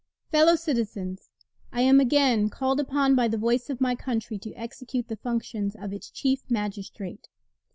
] Fellow Citizens: I am again called upon by the voice of my country to execute the functions of its Chief Magistrate.